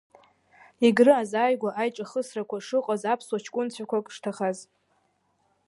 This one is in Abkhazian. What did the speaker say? Егры азааигәа аиҿахысрақәа шыҟаз, аԥсуа ҷкәынцәақәак шҭахаз.